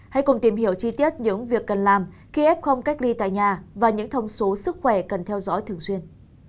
hãy cùng tìm hiểu chi tiết những việc cần làm khi f cách ly tại nhà và những thông số sức khỏe cần theo dõi thường xuyên